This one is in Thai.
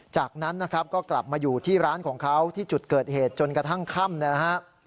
จากนั้นนะครับก็กลับมาอยู่ที่ร้านของเขาที่จุดเกิดเหตุจนกระทั่งค่ำนะฮะ